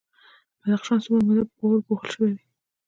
بدخشان څومره موده په واورو پوښل شوی وي؟